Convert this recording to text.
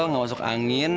gak masuk angin